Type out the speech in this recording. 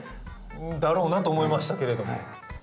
だろうなと思いましたけれども。